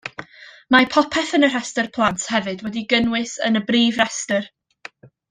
Mae popeth yn y rhestr plant hefyd wedi'i gynnwys yn y brif restr.